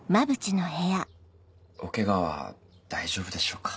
おケガは大丈夫でしょうか？